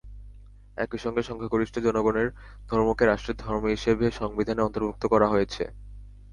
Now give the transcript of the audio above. একই সঙ্গে সংখ্যাগরিষ্ঠ জনগণের ধর্মকে রাষ্ট্রের ধর্ম হিসেবে সংবিধানে অন্তর্ভুক্ত করা হয়েছে।